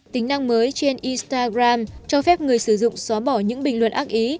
tính năng mới trên instagram cho phép người sử dụng xóa bỏ những bình luận ác ý